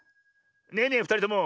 ねえねえふたりとも。